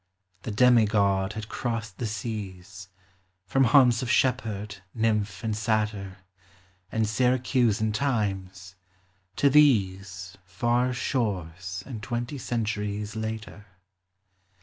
The demigod had crossed the seas, — From haunts of shepherd, nymph, and satyr, And Syracusan times, — to these Far shores and twenty centuries later.